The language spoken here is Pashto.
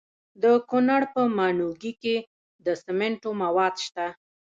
د کونړ په ماڼوګي کې د سمنټو مواد شته.